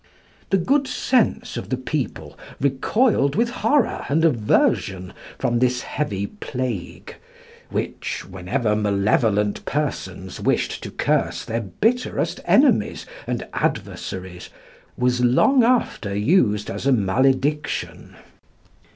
The good sense of the people recoiled with horror and aversion from this heavy plague, which, whenever malevolent persons wished to curse their bitterest enemies and adversaries, was long after used as a malediction.